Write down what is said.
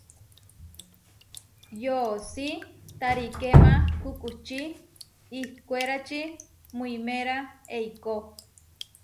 Yoʼosí tarikéma kukučí ihkwérači muiméra eikó.